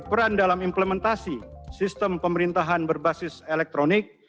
kami juga akan melakukan implementasi sistem pemerintahan berbasis elektronik